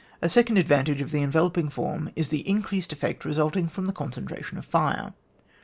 A second advantage of the en veloping form is the increased efiPect re sulting from the concentration of fire.